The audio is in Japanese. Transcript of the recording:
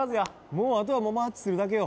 もうあとはマッチするだけよ